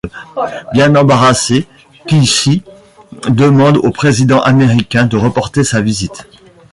Bien embarrassé, Kishi demande au président américain de reporter sa visite.